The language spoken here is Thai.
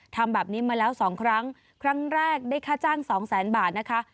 ทำแบบนี้มาแล้วสองครั้งครั้งแรกได้ค่าจ้างสองแสนบาทนะคะ